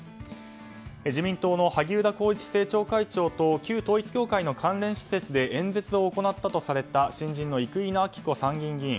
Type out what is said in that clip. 自民党の萩生田光一政調会長と旧統一教会の関連施設で演説を行ったとされた新人の生稲晃子参議院議員。